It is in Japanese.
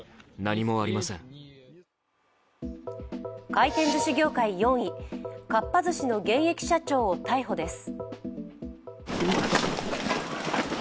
回転ずし業界４位、かっぱ寿司の現役社長を逮捕です。